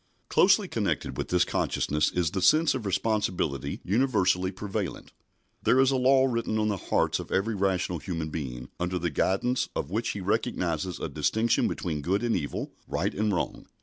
Closely connected with this consciousness is the sense of responsibility universally prevalent. There is a law written on the heart of every rational human being, under the guidance of which he recognises a distinction between good and evil, right and wrong.